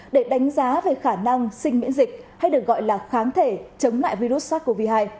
để đánh giá về khả năng sinh miễn dịch hay được gọi là kháng thể chống lại virus sars cov hai